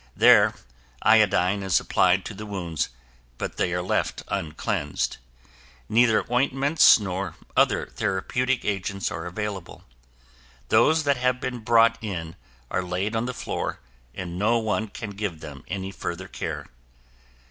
There iodine is applied to the wounds but they are left uncleansed. Neither ointments nor other therapeutic agents are available. Those that have been brought in are laid on the floor and no one can give them any further care.